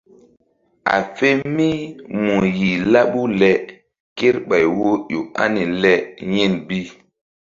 A fe mí mu yih laɓu le kerɓay wo ƴo ani le yin bi.